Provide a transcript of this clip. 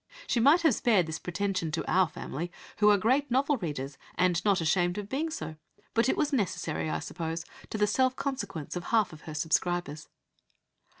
She might have spared this pretension to our family, who are great novel readers, and not ashamed of being so; but it was necessary, I suppose, to the self consequence of half her subscribers."